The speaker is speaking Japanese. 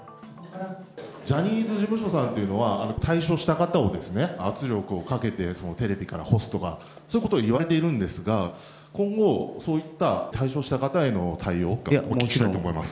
ジャニーズ事務所さんっていうのは、退所した方を圧力をかけてテレビから干すとか、そういうことをいわれてるんですが、今後、そういった退所した方への対応というのをお聞きしたいと思います。